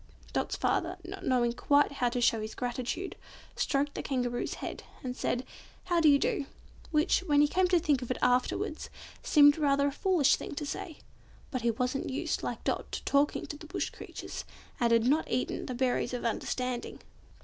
Dot's father, not knowing quite how to show his gratitude, stroked the Kangaroo's head, and said, "How do you do?" which, when he came to think of it afterwards, seemed rather a foolish thing to say. But he wasn't used, like Dot, to talking to Bush creatures, and had not eaten the berries of understanding.